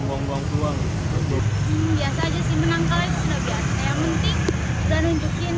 yang penting sudah menunjukin setelah ini